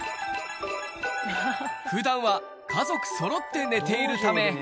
ふだんは家族そろって寝ているため。